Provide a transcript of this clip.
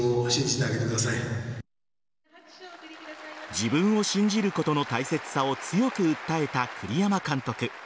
自分を信じることの大切さを強く訴えた栗山監督。